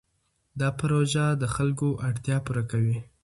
دا پروژه د خلکو اړتیا پوره کوي.